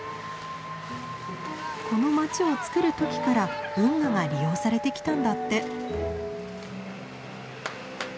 この街をつくる時から運河が利用されてきたんだって。